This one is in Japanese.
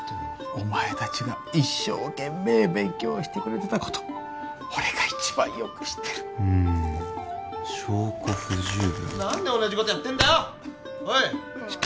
お前達が一生懸命勉強してくれてたこと俺が一番よく知ってるうん証拠不十分何年同じことやってんだよおいッ